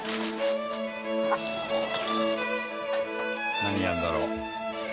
何やるんだろう？